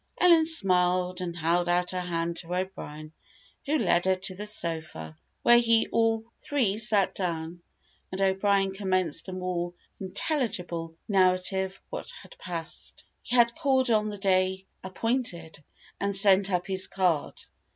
Ellen smiled, and held out her hand to O'Brien, who led her to the sofa, where we all three sat down: and O'Brien commenced a more intelligible narrative of what had passed. He had called on the day appointed, and sent up his card.